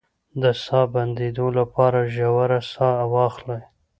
د ساه د بندیدو لپاره ژوره ساه واخلئ